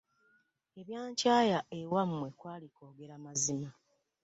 Ebyankyaya ewammwe kwali kwogera mazima.